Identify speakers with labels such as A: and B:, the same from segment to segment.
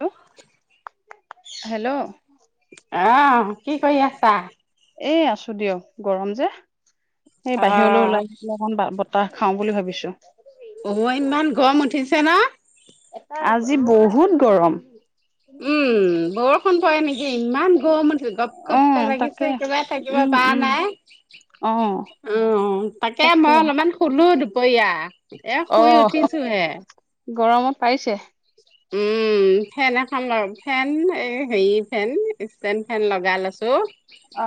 A: Hello hello.
B: আহ কি কৰি আছা।
A: এই আছো দিয়ক গৰম যে। সেই
B: অ
A: বাহিৰলৈ ওলাইাই অকমান বতাহ খাওঁ বুলি ভাবিছো।
B: অ ইমান গম উঠিছে ন।
A: আজি বহুত গৰম।
B: খন পৰে নেকি ইমান গৰম গপ
A: অ
B: গপকে লাগিছ
A: তাকে
B: একেবাৰেই থাকিব
A: উম
B: পৰা
A: উম
B: নাই।
A: অ
B: অ' তাকে মই অলপমান শুলো কয়া এ
A: অ
B: শুই উঠিছো হে
A: গৰমত পাৰিছে?
B: উম। উম, ফেন এখন ফেন হেৰি ফেন ষ্টেণ্ড ফেন লগাই লৈছো।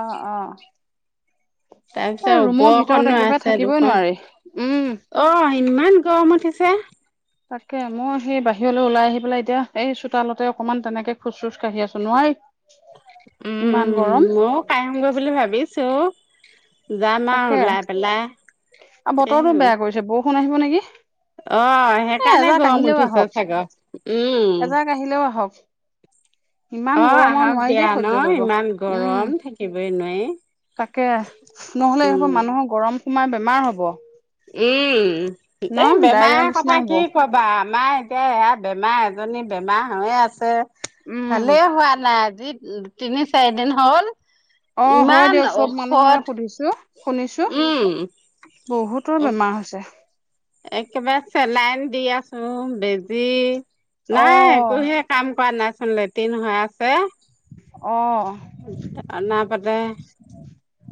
A: অ অ এই
B: তাৰপিছত
A: ৰুমৰ ভিতৰত
B: ওপৰখনো
A: একেবাৰে
B: আছে
A: থাকিবই
B: দুখন
A: নোৱাৰি উম
B: অ' ইমান গৰম উঠিছে।
A: তাকে মই সেই বাহিৰলৈ ওলাই আহি পেলাই এতিয়া এই চোতালতে অকনমান তেনেকে খোজ চোজ কাঢ়ি আছো নোৱাৰি
B: উম
A: ইমান গৰম
B: মইও কাঢি়মগৈ বুলি ভাবিছো জাম
A: তাকে
B: আৰু ওলাই পেলাই।
A: আৰু
B: এ
A: বতৰটো বেয়া
B: অ
A: কৰিছে বৰষুণ আহিব নেকি। এ
B: সেইকাৰণে
A: এজাক
B: গৰম
A: আহিলেও
B: উঠিছে
A: আহক
B: চাগৰ উম
A: এজাক আহিলেও আহক ইমান
B: অ
A: গৰম আৰু
B: আহক
A: নোৱাৰি দেই
B: দিয়া ন
A: সহ্য কৰিব
B: ইমান গৰম
A: উম।
B: থাকিবই নোৱাৰি
A: তাকে নহ'লে এইবোৰ
B: উম
A: মানুহৰ গৰম সোমাই বেমাৰ হব।
B: উম,
A: ন
B: এ
A: ডায়েৰিয়া
B: বেমাৰ
A: নিচিনা
B: কথা
A: হ'ব
B: কি কবা আমাৰ এতিয়া ইয়া বেমাৰ। জনী বেমাৰ হৈয়ে আছে
A: উম
B: ভালে হোৱা নাই। যি তিনি চাৰি দিন হ'ল
A: অ', হয়
B: ইমান
A: দিয়ক চব
B: ঔষধ
A: মানুহৰে শুনিছো
B: উম
A: বহুতৰ কি বেমাৰ হৈছে?
B: একেবাৰে চেলাইন দি আছো বেজী।
A: অ
B: নাই কুহিয়ে কাম কৰা নাইচোন লেটিন হৈ আছে
A: অ
B: অনবতে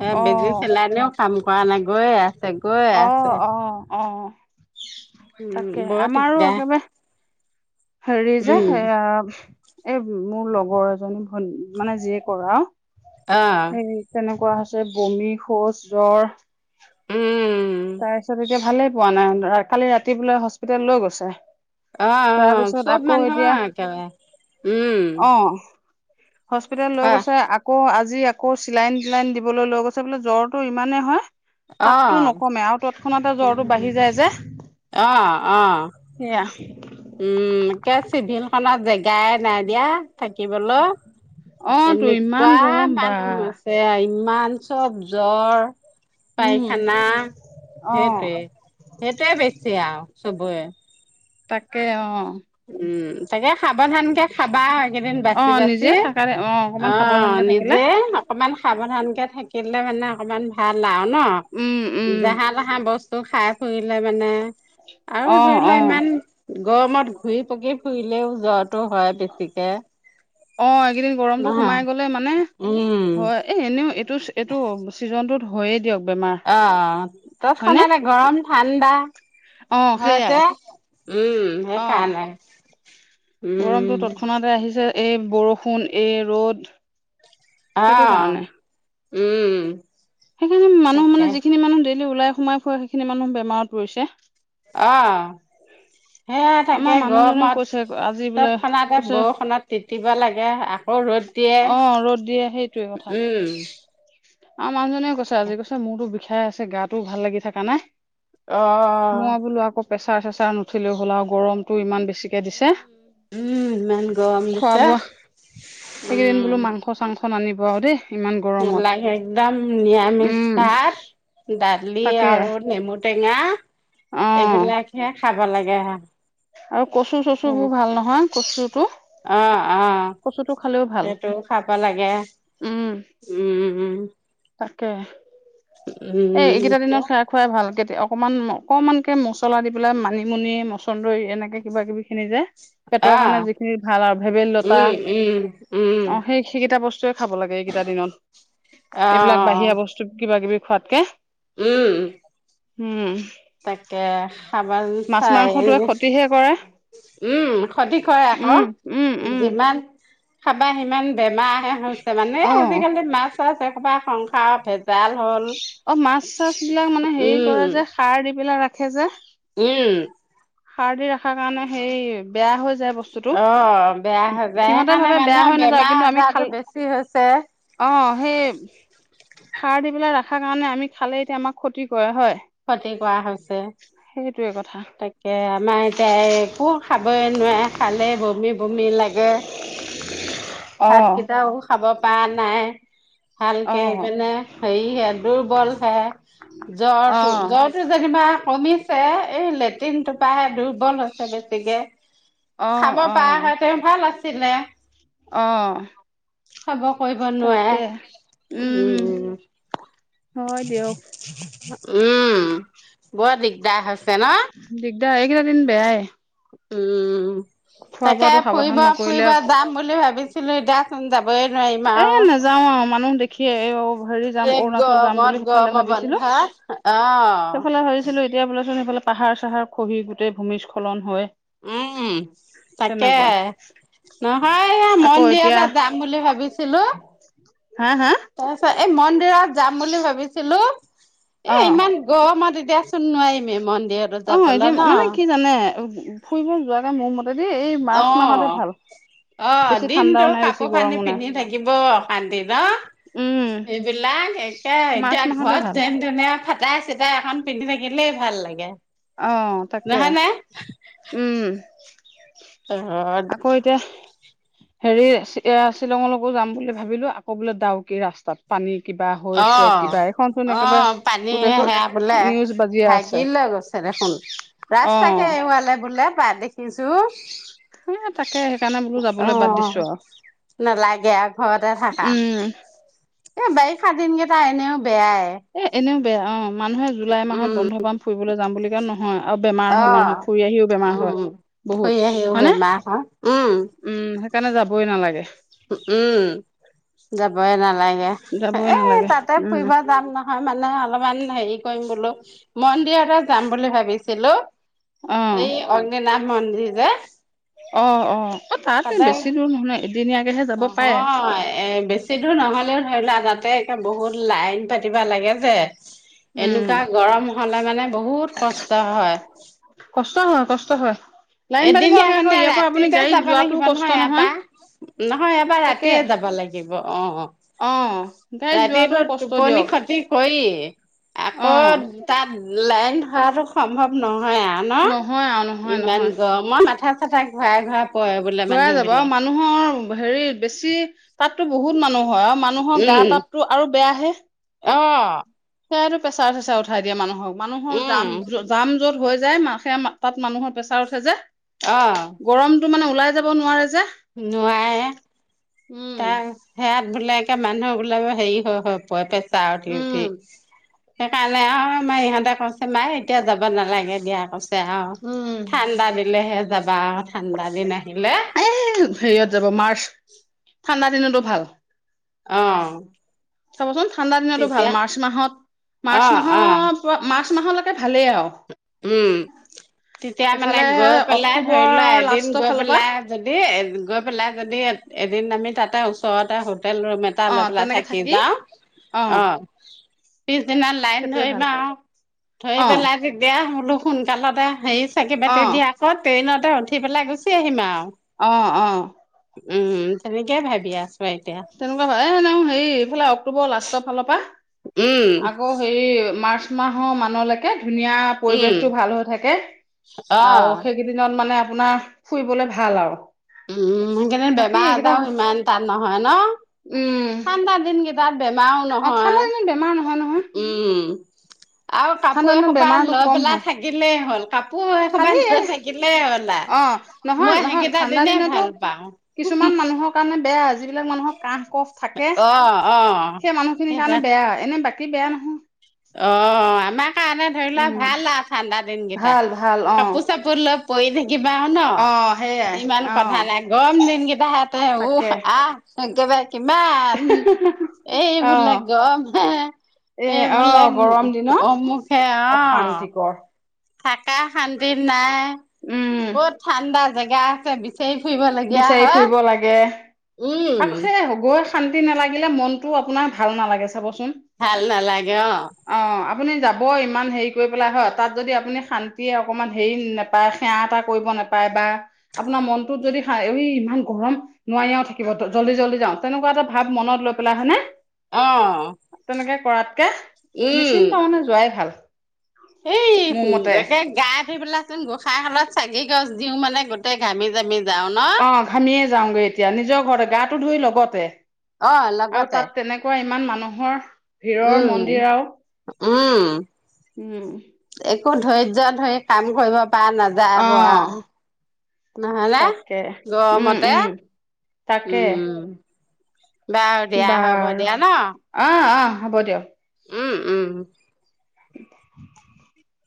B: এ'
A: অ
B: বেজি চেলাইনেও কাম কৰা নাই গৈয়ে আছে গৈয়ে
A: অ
B: আছে।
A: অ অ'।
B: উম
A: তাকে
B: বৰ
A: আমাৰো
B: দিগদাৰ
A: একেবাৰে হেৰি যে
B: উম
A: এয়া এ মোৰ লগৰ এজনী ভ মানে যিয়ে কৰা
B: অ
A: সেই তেনেক কোৱাৰ পিছত বমি, শৌচ, জ্বৰ।
B: উম,।
A: তাৰপিছত এতিয়া ভালেই পোৱা নাই কালি ৰাতি বোলে হস্পিতাল লৈ গৈছে।
B: অ অ
A: তাৰপিছত
B: চব
A: আকৌ
B: মানুহৰ
A: এতিয়া
B: একেবাৰে উম
A: অ' হস্পিতেল লৈ
B: হয়
A: গৈছে আকৌ আজি আকৌ চিলাইন টিলাইন দিবলৈ লৈ গৈছে বোলে জ্বৰটো ইমানেই হয় তাপতো
B: আহ
A: নকমে আৰু তৎক্ষণতে জ্বৰটো বাঢ়ি যায় যে
B: আহ আহ
A: সেয়া
B: উম কে চিভিল খনত জেগাই নাই দিয়া। থাকিবলৈ
A: অ তো ইমান
B: এনেকুৱা
A: গৰম বা
B: মানুহ হৈছে ইমান চব জ্বৰ
A: উম
B: পাইখানা
A: অ
B: সেইটোৱে সেইটোৱে বেছি আৰু। চবৰে
A: তাকে অ
B: উম তাকে সাৱধানকে খাবা এইকেইদিন
A: অ
B: বাচি
A: নিজে
B: বাচি
A: থাকা অ অকমান
B: অ'
A: সাৱধানকে থাকিলে
B: নিজে। অকমান সাৱধানকে থাকিলে মানে অকমান ভাল আৰু ন
A: উম উম
B: জাহা তাহা বস্তু খাই ফুৰিলে মানে আৰু
A: অ
B: ধৰি
A: অ
B: লোৱা ইমান গৰমত ঘূৰি পকি। ফুৰিলেও জ্বৰটো হয় বেছিকে
A: অ, এইকেইদিন গৰমটো
B: নহয়
A: সোমাই গলে মানে
B: উম
A: হয় এ এনেও এইটো এইটো ছিজন টোত হয়য়ে দিয়ক বেমাৰ
B: অ
A: হয়নে
B: তৎক্ষণাতে গৰম ঠাণ্ডা
A: অ
B: হয়
A: সেইয়াই
B: যে উম
A: অ
B: সেইকাৰণে।
A: গৰমটো
B: উম
A: তৎক্ষণাতে আহিছে, এই বৰষুণ, এই ৰ'দ। সেইটো
B: অ'হ
A: কাৰণে
B: উম।
A: সেইখিনি মানুহ মানে,
B: তাকে
A: যিখিনি মানুহ ডেইলি উলাই সোমাই ফুৰে সেইখিনি মানুহ বেমাৰত পৰিছে।
B: অ'। সেয়াই
A: আমাৰ
B: থাকে
A: মানুহজনেও কৈছে
B: গৰমত,
A: আজি বোলে
B: তৎক্ষণাতে
A: কৈছে
B: বৰষুণত তিতিব লাগে। আকৌ ৰ'দ দিয়ে
A: অ ৰ'দ
B: উম।
A: আমাৰ মানুহজনেও কৈছে আজি কৈছে মোৰতো বিষাই আছে গাটোও ভাল লাগি থাকা নাই। মই বোলো
B: অহ।
A: আকৌ প্ৰেছাৰ চেচাৰ নুঠিলেই হ'ল আৰু গৰমতটো ইমান বেছিকে দিছে।
B: উম ইমান গৰম
A: খোৱা
B: দিছে
A: বোৱা, এইকেইদিন
B: উম
A: বোলো মাংস-চাংস স নানিব আৰু দেই ইমান গৰমত।
B: নালাগে একদম নিৰামিষ
A: উম
B: ভাত, দালি
A: তাকে
B: আৰু নেমু টেঙা
A: অ
B: এইবিলাকহে খাব লাগে হে।
A: আৰু কচু-চচু বোৰ ভাল নহয়, কচুটো।
B: অ
A: কচুটো খালেও ভাল।
B: ব লাগে।
A: উম
B: উম উম।
A: তাকে। এই
B: উম
A: এইকেইটা দিনত খাই খোৱাই ভাল কে অকমান অকমানকে মছলা দি পেলাই মানিমুনি মসুণ্ডৰি এনেকে কিবা কিবি খিনি যে
B: অ
A: পেটৰ কাৰণে যিখিনি ভাল আৰু ভেদাইলতা
B: উম উম উম
A: অ', সেই সেইকেইটা বস্তুৱে খাব লাগে এইকেইটা দিনত।
B: অ
A: এইবিলাক বাহিৰা বস্তু কিবা কিবি খোৱাতকে।
B: উম।
A: উম,
B: তাকে খাবা
A: মাছ
B: চাই
A: মাংসটোৱে ক্ষতিহে কৰে।
B: উম ক্ষতি কৰে
A: উম উম
B: আকৌ।
A: উম
B: যিমান খাবা সিমান বেমাৰ হে হৈছে মানে,
A: অ
B: আজিকালি মাছ-চাছ এসোপা সংসাৰৰ ভেজ জাল হ'ল,
A: অ মাছ চাছ বিলাক মানে হেৰি
B: উম।
A: কৰে যে সাৰ দি পেলাই ৰাখে যে
B: উম
A: সাৰ দি ৰখাৰ কাৰণে সেই বেয়া হৈ যায় বস্তুতটো।
B: অ বেয়া হৈ যায়
A: সিহতে
B: সেইকাৰণে
A: ভাবে বেয়া
B: মানুহৰ
A: হৈ নাযায়,
B: বেমাৰ
A: কিন্তু আমি
B: আজাৰতো
A: খাল
B: বেছি হৈছে
A: অ, সেই সাৰ দি পেলায় ৰখাৰ কাৰণে আমি খালে এতিয়া আমাক ক্ষতি কৰে হয়।
B: ক্ষতি কৰা হৈছে।
A: সেইটোৱে কথা।
B: তাকে আমাৰ এতিয়া একো খাবই নোৱাৰে, খালে বমি বমি লাগে।
A: [inaudible] অ
B: ভাতকেইটাও খাব পৰা নাই।
A: অ
B: ভালকে ইপিনে হেৰি হে দুৰ্বল হে
A: অ
B: জ্বৰ জ্বৰটো যেনিবা কমিছে, এই লেট্ৰিনটোপাহে দুৰ্বল হৈছে বেছিকে।
A: অ
B: খাব
A: অ
B: পৰা হয়তে ভাল আছিলে।
A: অ'।
B: খাব কৰিব নোৱাৰে
A: তাকে
B: উম।
A: হয় দিয়ক
B: উম বৰ দিগদাৰ হৈছে ন'?
A: দাৰ এইকেইটা দিন বেয়াএ।
B: উম, তাকে
A: বোৱাটো
B: ফুৰিব
A: সাৱধান
B: -
A: নকৰিলে
B: ফুৰিব যাম বুলি ভাবিছিলো, এতিয়াচোন যাব ই নোৱাৰিম
A: এ
B: আও।
A: নাযাও আৰু মানুহ দেখিয়ে এই হেৰি যাম
B: এই
A: অৰুণাচল যাম বুলি
B: গৰমত
A: সেইফালে
B: গৰমত
A: ভাবিছিলো
B: বন্ধ হা? অহ,
A: সেইফালে ভাবছিলো এতিয়া বোলেচোন সেইফালে পাহাৰ-চাহাৰ খহি গোটেই ভূমিস্খলন হয়।
B: উম তাকে।
A: তেনেকুৱা
B: নহয় এয়া
A: আকৌ এতিয়া
B: মন্দিৰতে যাম বুলি ভাবিছিলো।
A: হা, হা
B: তাৰপিছত এই মন্দিৰত যাম বুলি ভাবিছিলোঁ, এই
A: অ
B: ইমান গৰমত এতিয়া চোন নোৱাৰিমে, মন্দিৰ আৰু
A: অ
B: যাবলে
A: এতিয়া মানে কি জানে
B: ন'।
A: ফুৰিব যোৱাকে মোৰ মতে দি, এই
B: অ
A: মাৰ্চ মাহতে ভাল।
B: অ',
A: বেছি
B: দিনটো
A: ঠাণ্ডাও নাই বেছি
B: কাপোৰ কানি
A: গৰমো নাই
B: পিন্ধি থাকিব অশান্তি ন'।
A: উম
B: এইবিলাক একে
A: মাৰ্চ
B: এতিয়া
A: মাহতে
B: ঘৰত
A: ভাল
B: যেন তেনে ফা চাই চিতাই এখন পিন্ধি থাকিলেই ভাল লাগে।
A: অ'! তাকে,
B: নহয় নে
A: উম।
B: তহঁত
A: সেৰি, এইয়া, শ্বিলঙলৈকো যাম বুলি ভাবিলোঁ! আকৌ বোলে, দাওকি ৰাস্তাত, পানী। কিবা হৈছে কিবা
B: অ'!
A: এইখনচোন একেবাৰে
B: অ'! পানী।
A: গোটেইখন
B: সেয়া বোলে,
A: নিউজ বাজিয়ে আছে
B: ভাগি লৈ গৈছে। দেখোন,
A: অ
B: ৰাস্তাকে এৱালে বোলে পাই দেখ কিছু,
A: এ তাকে সেইকাৰণে বোলো যাবলৈ বাদ দিছো
B: অ'।
A: আৰু
B: নালাগে আৰ ঘৰতে থাকা।
A: উম
B: এ, বাৰিষা দিনকেইটা এনেও বেয়াই।
A: এ এনেও বেয়া অ', মানুহে জুলাই মাহত
B: উম,
A: বন্ধ পাম ফুৰিবলৈ যাম বুলি কয় নহ হয় আৰু বেমাৰ হয়,
B: অ',
A: মানুহৰ ফুৰি আহিও বেমাৰ
B: উম।
A: হয়। বহুত!
B: ফুৰি আহিও
A: হয়নে?
B: বেমাৰ হয়,
A: উম, সেইকাৰণে যাবই নালাগে।
B: উ, উম, যাবয়ে নালাগ [unintelligible]
A: যাবই
B: এই
A: নালাগে
B: তাতে
A: উম
B: ফুৰিব যাম নহয় মানে অলপমান হেৰি কৰিম বোলো, মন্দিৰ এটা যাম বুলি ভাবিছিলোঁ,
A: অ
B: এই অগ্নিনাভ মন্দিৰ যে।
A: অ', অ', অ, তাততে
B: তাতে
A: বেছি দূৰ নহয় এদিনীয়া
B: নহয় এ, বেছি দূৰ নহ'লেও ধৰি লোৱা তাতে একদম বহুত লাইন পাতিবা লাগে যে।
A: উম
B: এনেকুৱা গৰম হ'লে মানে বহুত কষ্ট হয়।
A: কষ্ট হয়, কষ্ট হয়! লাইন পাতিব
B: এদিনীয়া
A: লাগে আকৌ
B: মানে
A: ইয়াৰ পৰা আপুনি
B: ৰাতিতে
A: গাড়ীত
B: যাব
A: যোৱাটোও
B: লাগিব
A: কষ্ট
B: নহয় ইয়াৰপা। নহয় ইয়াৰপা
A: তাকে
B: ৰাতিয়ে যাব লাগিব অ', অ'।
A: গাড়ীত
B: ৰাতিতো
A: যোৱাটোও কষ্ট
B: টোপনি
A: দিয়ক
B: ক্ষতি কৰি
A: অ
B: আকৌ তাত লাইন ধৰাটো সম্ভৱ নহ হয় য়া ন'
A: নহয় আৰু নহয়
B: ইমান
A: নহয়
B: মই মাথা চাথা ঘূৰাই ঘৰা
A: ঘূৰাই যাব আৰু মানুহৰ হেৰি বেছি তাততো বহুত মানুহ হয় আৰু মানুহৰ গা
B: উম
A: তাততো আৰু বেয়াহে।
B: অ'
A: সেয়াটো প্ৰেছাৰ, চেচাৰ উঠাই দিয়ে মানুহক, মানুহৰ
B: উম
A: জাম-জাম য হৈ যায় মা-সেই-মা তাত মানুহৰ প্ৰেছাৰ উঠে যে,
B: অ
A: গৰমটো মানে ওলাই যাব নোৱাৰে যে
B: নোৱাৰে,
A: উম
B: তা-সেয়াত [unintelligible] মানুহবিলাকে হেৰি হৈ, হৈ পৰে পেচাৰ উঠি,
A: উম
B: উঠি। সেইকাৰণে আৰু আমাৰ ইহঁতে কৈছে মাই এতিয়া যাব নালাগে, দিয়া কৈছে আৰু।
A: উম
B: ঠাণ্ডা দিলেহে যাবা, ঠাণ্ডা দিন আহিলে।
A: এই হেৰিয়ত যাব মাৰ্চ, ঠাণ্ডা দিনতো ভাল।
B: অ'!
A: চাবচোন ঠাণ্ডা দিনতো ভাল।
B: তেতিয়া
A: মাৰ্চ মাহত, মাৰ্চ
B: অ', অ',
A: মাহৰ পৰা মা মাহলৈকে ভালেই আৰু।
B: উম! তেতিয়া মানে
A: এইফালে
B: গৈ পেলাই ধৰি
A: অক্টোবৰ
B: ল' এদিন
A: লাষ্টৰ
B: গৈ
A: ফালৰ পৰা
B: পেলাই যদি, গৈ পেলাই যদি এদিন আমি তাতে ওচৰতে হো হোটেল ৰুম এটা
A: অ
B: লৈ পেলাই
A: তেনেকে
B: থাকি যাওঁ, অ'। পিছদিনা লাইন
A: সেইটোৱে
B: ধৰিম আৰু ধৰি
A: ভাল অ
B: পেলাই হলো সোনকালতে হেৰি চাকি বতি
A: অ',
B: দি আকৌ ট্ৰেইনতে উঠি পেলাই গুচি আহিম আৰু
A: অ', অ',।
B: উম, তেনেকে ভাবি‌ আছ
A: তেনেকুৱা ভাই এ, হেৰি এইফালে অক্টোবৰ লাষ্টৰ ফালৰ পা,
B: উম
A: আকৌ হেৰি মাৰ্চ মাহৰ মানলকে ধুনীয়া
B: উম
A: পৰিৱেশতটো ভাল হৈ থাকে
B: অ
A: আৰু সেইকেইদিনত মানে আপোনাৰ ফুৰিবলে ভাল আৰু।
B: উম, সেইকাৰণে
A: বাকী
B: বেমাৰ
A: এইকেইটা
B: আজাৰো ইমানতা নহয় ন?
A: উম,
B: ঠাণ্ডা দিন গিতাদ বে
A: অ', ঠাণ্ডা দিনত বেমাৰ ন
B: উম, আৰু
A: ঠাণ্ডা
B: কাপোৰ
A: দিনত
B: এসোপা
A: বেমাৰটো
B: লৈ
A: কম
B: পেলাই
A: হয়
B: থাকিলেই হ'ল। কাপোৰ এসোপা
A: খালি
B: লৈ থাকিলেই‌ হ'ল। আ
A: অ', নহয়,
B: মই
A: নহয়
B: সেইকেইটা
A: ঠাণ্ডা
B: দিনেই
A: দিনতো
B: ভাল পাওঁ
A: কিছুমান মানুহৰ কাৰণে বেয়া। যিবিলাক মানুহৰ কাহ কফ থাকে
B: অ অ
A: সেই মানুহখিনিৰ
B: সেইটোৱে
A: কাৰণে বেয়া হয় এনে বাকী বেয়া নহয়
B: অ', আমাৰ কাৰণে ধৰি লোৱা
A: উম,
B: ভাল আৰু ঠাণ্ডা দিনকেইটা
A: ভাল ভাল অ',
B: কাপোৰ চাপোৰ [unintelligible] কিবা
A: অ', সেইয়াই
B: ন' ইমান
A: অ'।
B: কথা নাই গৰম দিনকেইটা [unintelligible]
A: তাকে
B: উস, আহ। একেবাৰে কিমান এইবোলে
A: অ'
B: গম হে
A: এ
B: এই বোলে
A: আহ গৰম দিনত
B: অমুকহে অ',
A: অশান্তিকৰ
B: থাকা শান্তিত নাই,
A: উম।
B: ক'ত ঠাণ্ডা জেগা আছে বিচ চেই ফুৰিবলগীয়া
A: বিচাৰি
B: হয়।
A: ফুৰিব লাগে
B: উম।
A: আকৌ সেই শান্তি নালাগিলে মনতটো আপোনাৰ ভাল নালাগে চ বস্ত
B: ভাল নালাগে অ'।
A: আপুনি যাব ইমান হেৰি কৰি পেলাই হয় তাত যদি আপুনি শান্তিয়ে অকণমান হেৰি নাপায় সেৱা এটা কৰিব ন নাপায় বা আপোনাৰ মনটোত যদি আৱি ইমান গৰম নোৱাৰি আৰু থাকিব জল্দি জল্দি যাওঁ তেনেকুৱা এটা ভাৱ মনত লৈ পেলাই, হয়েনে?
B: অ',।
A: নেকে কৰাত
B: উম, এই
A: মোৰ
B: সুত
A: মতে।
B: একে গায় ধুই পেলাই চোন গোঁসাই শালত চাকি গছ দিওঁ মানে গোটেই ঘামি জামি যাও ন?
A: অ', ঘামিয়ে যাওঁগে এতিয়া নিজৰ ঘৰতে গাটো ধুই লগতে।
B: অ'
A: আৰু
B: লগতে।
A: তাত তেনেকুৱা ইমান মানুহৰ ভিৰৰ
B: উম,
A: মন্দিৰ আৰু
B: উম,
A: উম
B: এত একো ধৈৰ্য ধৰি কাম কৰিব পৰা নাযায়
A: অ
B: ব আও। নহলে
A: তাকে উম
B: গৰমতে
A: উম তাকে
B: উম। বাৰু দিয়া হ'ব
A: বাৰু
B: দিয়া ন?
A: অ', অ', হ'ব দিয়ক।
B: উম, উম
A: [inaudible]